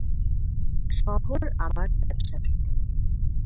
শহর আমার ব্যবসা ক্ষেত্র।